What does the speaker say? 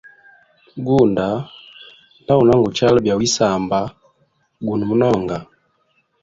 Gunda nda unanguchala bya wisamba guno munonga.